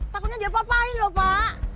takutnya dia apa apain loh pak